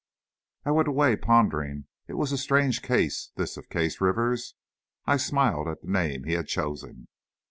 I went away, pondering. It was a strange case, this of Case Rivers. I smiled at the name he had chosen.